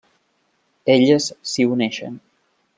Elles s'hi uneixen.